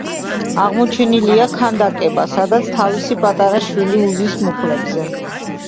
აღმოჩენილია ქანდაკება, სადაც თავისი პატარა შვილი უზის მუხლებზე.